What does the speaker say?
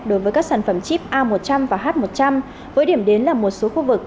đối với các sản phẩm chip a một trăm linh và h một trăm linh với điểm đến là một số khu vực